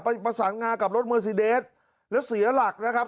ประสานงากับรถเมอร์ซีเดสแล้วเสียหลักนะครับ